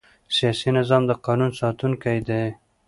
سیاسي نظام د قانون ساتونکی دی